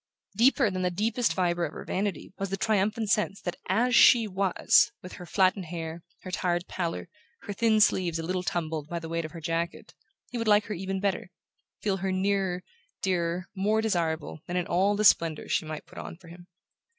Deeper than the deepest fibre of her vanity was the triumphant sense that AS SHE WAS, with her flattened hair, her tired pallor, her thin sleeves a little tumbled by the weight of her jacket, he would like her even better, feel her nearer, dearer, more desirable, than in all the splendours she might put on for him.